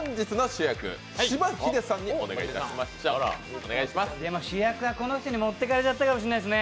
主役はこの人にもってかれちゃったかもしれないですね。